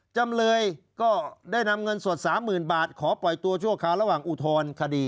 จำเลยก็ได้นำเงินสด๓๐๐๐บาทขอปล่อยตัวชั่วคราวระหว่างอุทธรณคดี